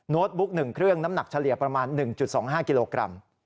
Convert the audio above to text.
บุ๊ก๑เครื่องน้ำหนักเฉลี่ยประมาณ๑๒๕กิโลกรัม